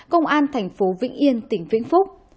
công an thành phố vĩnh yên tỉnh vĩnh phúc